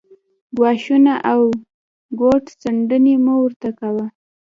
ګواښونه او ګوت څنډنې مه ورته کاوه